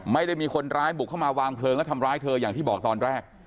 ไม่ได้มีคนร้ายบุกเข้ามาวางเพลิงแล้วทำร้ายเธออย่างที่บอกตอนแรก